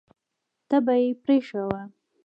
تبه یې پرې شوه.